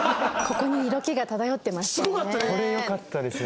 これよかったですよね。